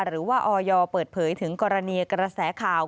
หรือว่าออยเปิดเผยถึงกรณีกระแสข่าว